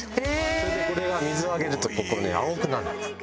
それでこれは水をあげるとここね青くなるんです。